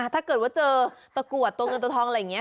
ถ้าเกิดว่าเจอตะกรวดตัวเงินตัวทองอะไรอย่างนี้